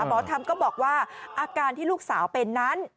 หมอธรรมก็บอกว่าอาการที่ลูกสาวเป็นนั้น